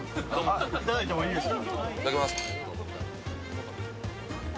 いただいてもいいですか。